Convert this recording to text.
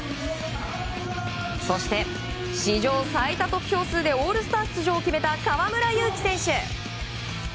そして、史上最多得票数でオールスター出場を決めた河村勇輝選手。